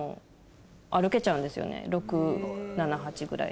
６７８ぐらい。